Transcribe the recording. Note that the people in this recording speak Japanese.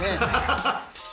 ハハハ！